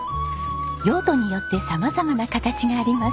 用途によって様々な形があります。